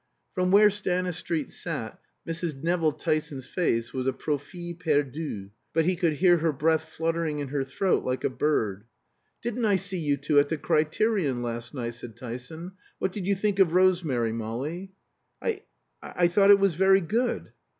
From where Stanistreet sat Mrs. Nevill Tyson's face was a profil perdu; but he could hear her breath fluttering in her throat like a bird. "Didn't I see you two at the 'Criterion' last night?" said Tyson. "What did you think of 'Rosemary,' Molly?" "I I thought it was very good."